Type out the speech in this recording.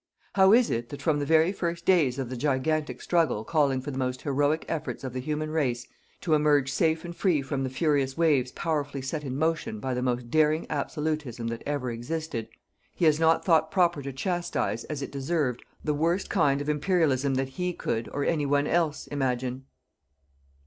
How is it that from the very first days of the gigantic struggle calling for the most heroic efforts of the human race to emerge safe and free from the furious waves powerfully set in motion by the most daring absolutism that ever existed, he has not thought proper to chastise as it deserved the worst kind of Imperialism that he could, or any one else, imagine?